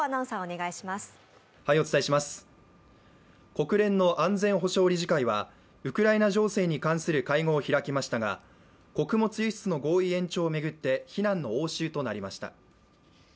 国連の安全保障理事会はウクライナ情勢に関する会合を開きましたが、穀物輸出の合意延長を巡って非難の応酬となりました。